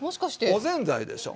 おぜんざいでしょ。